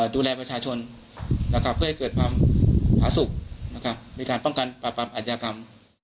ดูแลประชาชนเพื่อให้เกิดความผาสุขในการป้องกันปราบปรามอัธยากรรม